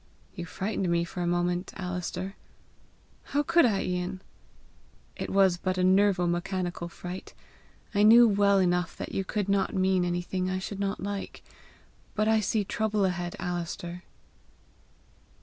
"You frightened me for a moment, Alister!" "How could I, Ian?" "It was but a nervo mechanical fright. I knew well enough you could mean nothing I should not like. But I see trouble ahead, Alister!"